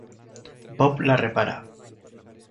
Bob la repara.